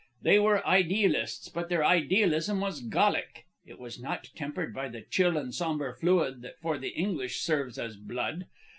They were idealists, but their idealism was Gallic. It was not tempered by the chill and sombre fluid that for the English serves as blood.